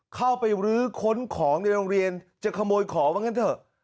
เข้าไปรื้อค้นของในโรงเรียนจะขโมยของว่างั้นเถอะ